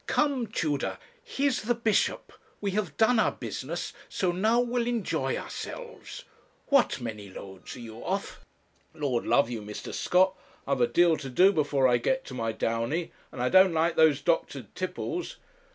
'Come, Tudor, here's the bishop. We have done our business, so now we'll enjoy ourselves. What, Manylodes, are you off?' 'Lord love you, Mr. Scott, I've a deal to do before I get to my downy; and I don't like those doctored tipples.